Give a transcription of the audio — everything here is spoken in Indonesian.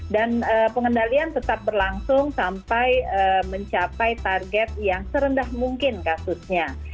dan pengendalian tetap berlangsung sampai mencapai target yang serendah mungkin kasusnya